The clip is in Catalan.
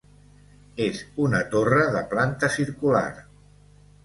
És una torre de planta circular.